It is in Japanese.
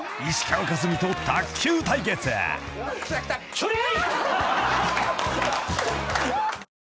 チョレイ！